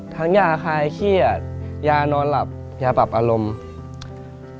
ยาคลายเครียดยานอนหลับยาปรับอารมณ์